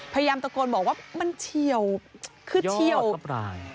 พยายามตะโกนบอกว่ามันเชี่ยวคือเชี่ยวยอดกับร่าง